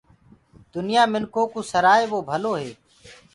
دنيآ منکُ ڪوُ سرآئي وو ڀلو هي۔